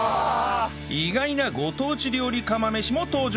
意外なご当地料理釜飯も登場